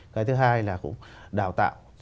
cái thứ hai là cũng đào tạo